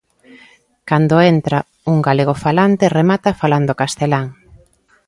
Cando entra un galegofalante remata falando castelán.